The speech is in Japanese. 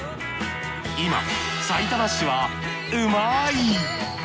今さいたま市はうまい！